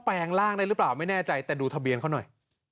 แปลงร่างได้หรือเปล่าไม่แน่ใจแต่ดูทะเบียนเขาหน่อย